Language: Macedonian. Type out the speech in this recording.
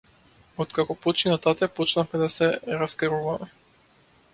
Откако почина тате, почнавме да се раскаруваме.